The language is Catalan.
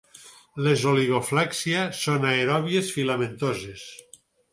Les oligoflèxia són aeròbies filamentoses.